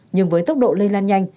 nhưng với tốc độ lây lan nhanh